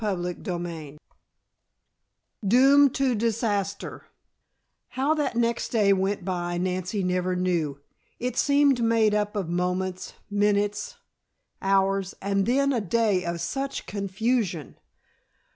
CHAPTER XVI DOOMED TO DISASTER How that next day went by Nancy never knew. It seemed made up of moments, minutes, hours, and then a day of such confusion!